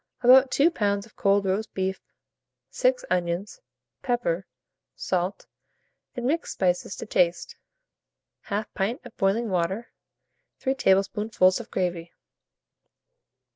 About 2 lbs. of cold roast beef, 6 onions, pepper, salt, and mixed spices to taste; 1/2 pint of boiling water, 3 tablespoonfuls of gravy.